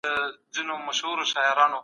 د عزت ساتني دپاره رښتيا ويل مهم دي.